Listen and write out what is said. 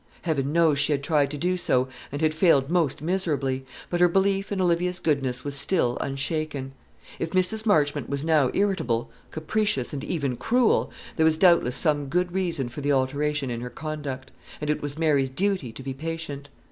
Heaven knows she had tried to do so, and had failed most miserably; but her belief in Olivia's goodness was still unshaken. If Mrs. Marchmont was now irritable, capricious, and even cruel, there was doubtless some good reason for the alteration in her conduct; and it was Mary's duty to be patient.